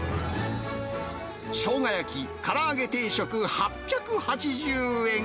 しょうが焼き・からあげ定食８８０円。